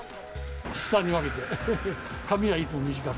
七三に分けて、髪はいつも短く。